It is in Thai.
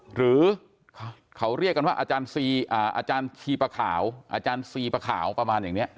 หรือเขาเรียกกันว่าอาจารย์๔อาจารย์๔ประขาวประมาณอย่างเนี่ย